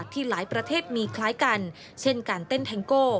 ที่หลายประเทศมีคล้ายกันเช่นการเต้นแทงโก้